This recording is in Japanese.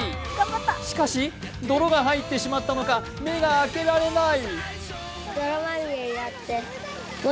しかし、泥が入ってしまったのか目が開けられない。